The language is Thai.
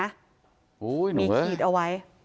เห็นไหมมีคีดเอาไว้